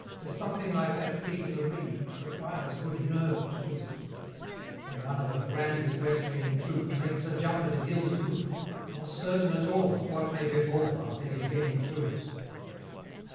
'Tis something like that feat in the ring, Which requires good nerve to do it When one of a "Grand Equestrian Troop" Makes a jump at a gilded hoop, Not certain at all Of what may befall After his getting through it!